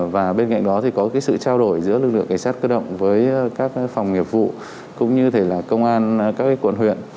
và bên cạnh đó thì có cái sự trao đổi giữa lực lượng cảnh sát cơ động với các phòng nghiệp vụ cũng như thể là công an các quận huyện